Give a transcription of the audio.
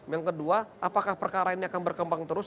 yang kedua apakah perkara ini akan berkembang terus